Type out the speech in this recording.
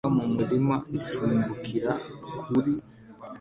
Imbwa mu murima isimbukira kuri